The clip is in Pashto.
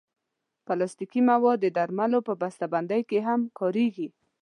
پلاستيکي مواد د درملو په بستهبندۍ کې هم کارېږي.